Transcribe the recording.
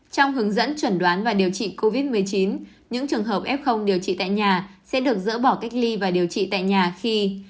trong hướng dẫn chuẩn đoán và điều trị covid một mươi chín những trường hợp f điều trị tại nhà sẽ được dỡ bỏ cách ly và điều trị tại nhà khi